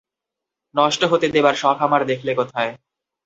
নষ্ট হতে দেবার শখ আমার দেখলে কোথায়।